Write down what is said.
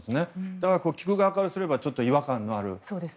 だから聞く側からすれば違和感のある。